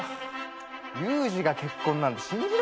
ユウジが結婚なんて信じらんないよな。